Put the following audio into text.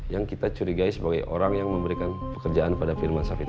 yang kita curigai sebagai orang yang memberikan pekerjaan pada firman safari